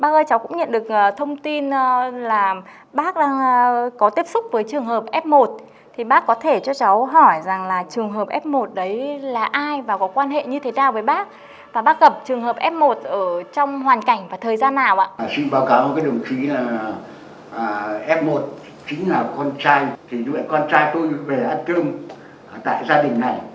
với con trai con trai tôi về ăn cơm tại gia đình này cùng với bố mẹ